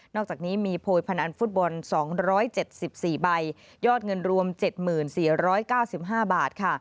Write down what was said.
อกจากนี้มีโพยพนันฟุตบอล๒๗๔ใบยอดเงินรวม๗๔๙๕บาทค่ะ